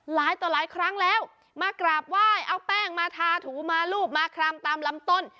หลายต่อหลายครั้งแล้วมากราบไหว้เอาแป้งมาทาถูมารูปมาครามตามลำต้น